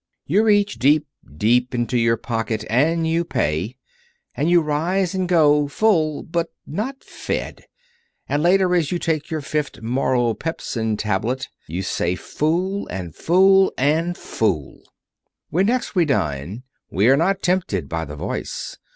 You reach deep, deep into your pocket, and you pay. And you rise and go, full but not fed. And later as you take your fifth Moral Pepsin Tablet you say Fool! and Fool! and Fool! When next we dine we are not tempted by the Voice.